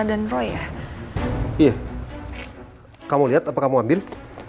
jangan assimil senawan lu